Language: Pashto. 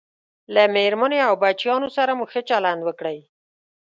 له میرمنې او بچیانو سره مو ښه چلند وکړئ